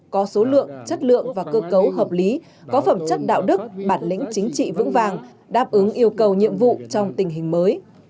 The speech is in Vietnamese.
có số lượng chất lượng và cơ cấu hợp lý có phẩm chất đạo đức bản lĩnh chính trị vững vàng đáp ứng yêu cầu nhiệm vụ trong tình hình mới